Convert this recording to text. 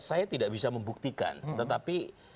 saya tidak bisa membuktikan tetapi